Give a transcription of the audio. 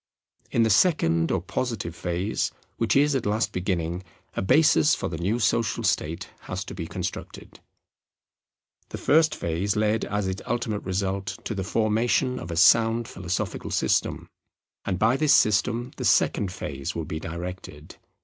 In the second or positive phase, which is at last beginning, a basis for the new social state has to be constructed. The first phase led as its ultimate result to the formation of a sound philosophical system; and by this system the second phase will be directed.